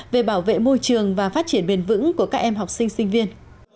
về bảo vệ môi trường và phát triển bền vững của các em học sinh sinh viên